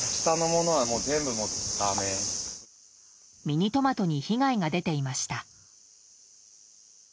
ミニトマトに被害が出ていました。